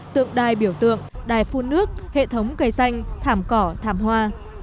tượng đài biểu tượng đài phun nước hệ thống cây xanh thảm cỏ thảm hoa